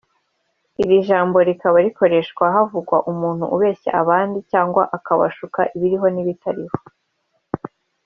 Iri jambo rikaba rikoreshwa havugwa umuntu ubeshya abandi cyangwa akabashuka ibiriho n’ibitariho